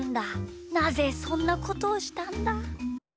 なぜそんなことをしたんだ！？